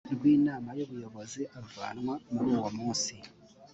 rw inama y ubuyobozi avanwa muri uwo munsi